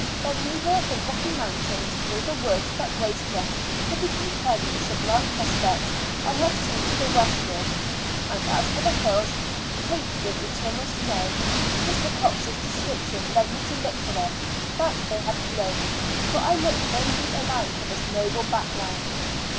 But neither the rocky mountains, nor the woods that graced them, could be compared with the sublime prospects I had seen to the westward; and as for the hills, "capped with eternal snow," Mr. Coxe's description led me to look for them, but they had flown, for I looked vainly around for this noble background.